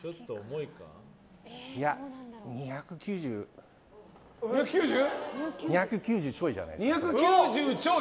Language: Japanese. ２９０ちょいじゃないですか。